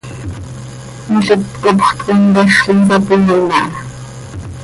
Milít copxöt coi mpexl, insapooin aha.